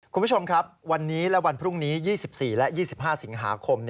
คุณผู้ชมครับวันนี้และวันพรุ่งนี้๒๔และ๒๕สิงหาคม